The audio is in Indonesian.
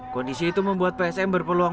kondisi itu membuat psm berpeluang